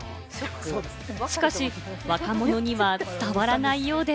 しかし若者には伝わらないようで。